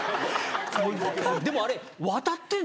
でもあれ。